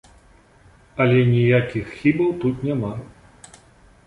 Але ніякіх хібаў тут няма.